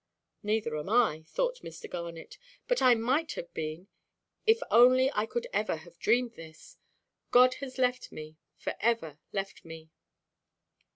"Neither am I," thought Mr. Garnet; "but I might have been, if only I could ever have dreamed this. God has left me, for ever left me."